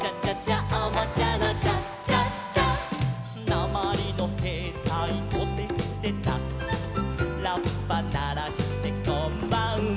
「なまりのへいたいトテチテタ」「ラッパならしてこんばんは」